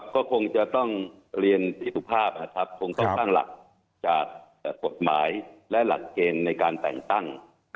ก็คงจะต้องเรียนพี่สุภาพนะครับคงต้องตั้งหลักจากกฎหมายและหลักเกณฑ์ในการแต่งตั้ง